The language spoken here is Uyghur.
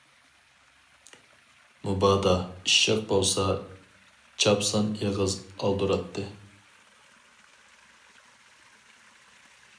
مۇبادا ئىششىق بولسا چاپسان ئېغىز ئالدۇراتتى.